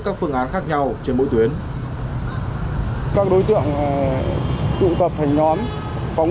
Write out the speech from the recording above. các phương án khác nhau trên mỗi tuyến